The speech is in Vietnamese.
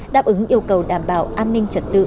đáp ứng yêu cầu đảm bảo an ninh trật tự